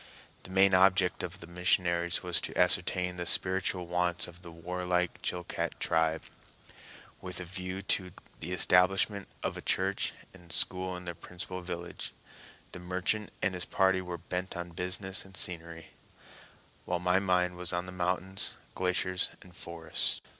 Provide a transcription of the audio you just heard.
The main object of the missionaries was to ascertain the spiritual wants of the warlike Chilcat tribe, with a view to the establishment of a church and school in their principal village; the merchant and his party were bent on business and scenery; while my mind was on the mountains, glaciers, and forests.